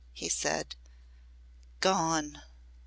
he said. "_Gone!